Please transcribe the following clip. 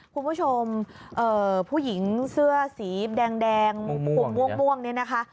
คุณผู้ชมผู้หญิงเสื้อสีแดงผมม่วงเนี่ยนะคะ